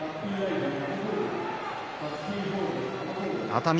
熱海